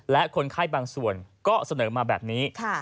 และคนไข้บางส่วนก็เสนอมาแบบนี้